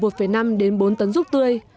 từ một năm đến bốn tấn ruốc tươi